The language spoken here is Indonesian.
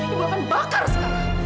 ibu akan bakar sekarang